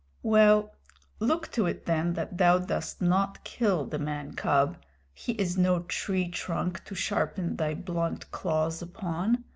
"Well, look to it then that thou dost not kill the man cub. He is no tree trunk to sharpen thy blunt claws upon.